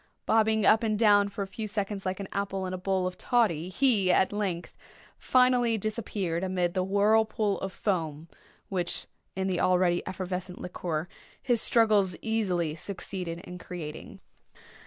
Bobbing up and down, for a few seconds, like an apple in a bowl of toddy, he, at length, finally disappeared amid the whirlpool of foam which, in the already effervescent liquor, his struggles easily succeeded in creating.